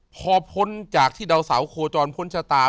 พอพ้นจากที่ดาวเสาโคจรพ้นชะตา